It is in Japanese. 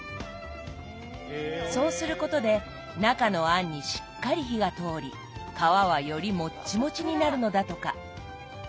そうすることで中の餡にしっかり火が通り皮はよりもっちもちになるのだとか。